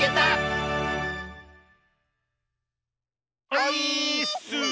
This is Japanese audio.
オイーッス！